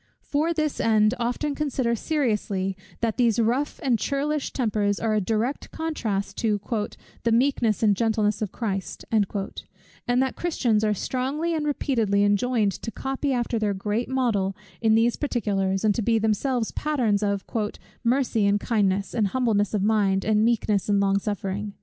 For this end, often consider seriously, that these rough and churlish tempers are a direct contrast to the "meekness and gentleness of Christ;" and that Christians are strongly and repeatedly enjoined to copy after their great Model in these particulars, and to be themselves patterns of "mercy and kindness, and humbleness of mind, and meekness, and long suffering."